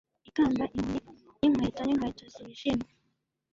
Ikamba inkoni y'inkweto n'inkweto zijimye